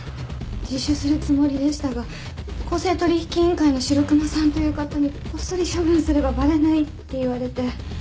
自首するつもりでしたが公正取引委員会の白熊さんという方にこっそり処分すればバレないって言われて